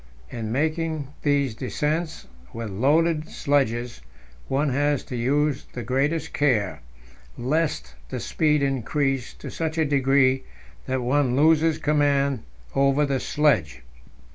In making these descents with loaded sledges, one has to use the greatest care, lest the speed increase to such a degree that one loses command over the sledge.